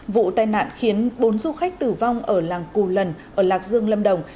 vụ tai nạn khiến bốn du khách tử vong ở làng cù lần ở lạc dương lâm đồng